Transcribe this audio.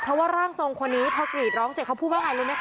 เพราะว่าร่างทรงคนนี้พอกรีดร้องเสร็จเขาพูดว่าไงรู้ไหมค